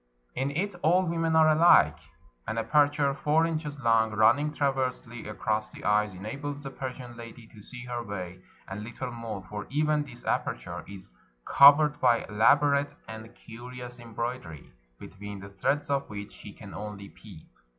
In it all women are alike. An aperture four inches long, running transversely across the eyes, enables the Persian lady to see her way, and little more; for even this aperture is covered by elabo rate and curious embroidery, between the threads of which she can only peep.